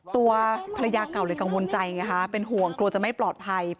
ตัวภรรยาเก่าเลยกังวลใจไงคะเป็นห่วงกลัวจะไม่ปลอดภัย